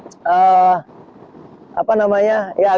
cuma dari teknik dan